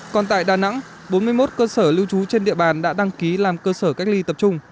còn tại đà nẵng bốn mươi một cơ sở lưu trú trên địa bàn đã đăng ký làm cơ sở cách ly tập trung